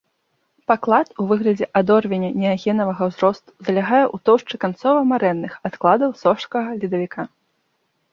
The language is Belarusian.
Паклад у выглядзе адорвеня неагенавага ўзросту залягае ў тоўшчы канцова-марэнных адкладаў сожскага ледавіка.